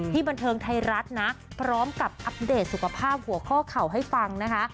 บันเทิงไทยรัฐนะพร้อมกับอัปเดตสุขภาพหัวข้อเข่าให้ฟังนะคะ